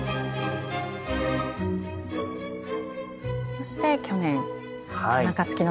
そして去年田中月乃さん。